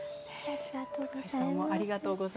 ありがとうございます。